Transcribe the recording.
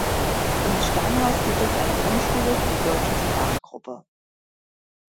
In Steinhaus gibt es eine Grundschule für die deutsche Sprachgruppe.